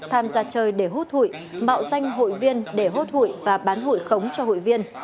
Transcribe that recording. tham gia chơi để hút hụi mạo danh hụi viên để hốt hụi và bán hụi khống cho hụi viên